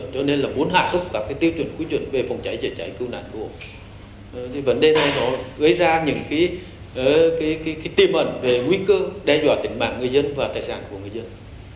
vấn đề này gây ra những tìm ẩn về nguy cơ đe dọa tình mạng người dân và tài sản của người dân